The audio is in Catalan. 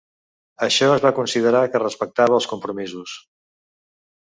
Això es va considerar que respectava els compromisos.